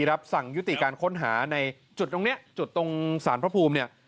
รับสั่งยุติการค้นหาในจุดตรงนี้จุดตรงสารพระภูมิเนี่ย